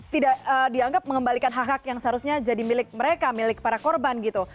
tidak dianggap mengembalikan hak hak yang seharusnya jadi milik mereka milik para korban gitu